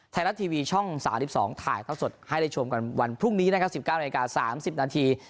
ไทยรัฐทีวีช่อง๓๒ถ่ายเท่าสดให้ได้ชมกันวันพรุ่งนี้นะครับ๑๙นาที๓๐นาที